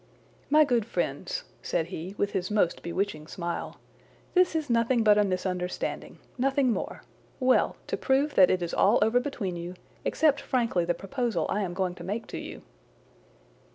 "My good friends," said he, with his most bewitching smile, "this is nothing but a misunderstanding. Nothing more! well! to prove that it is all over between you, accept frankly the proposal I am going to make to you."